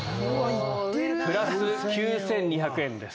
プラス９２００円です。